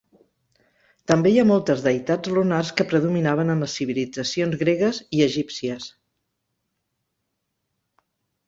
També hi ha moltes deïtats lunars que predominaven en les civilitzacions gregues i egípcies.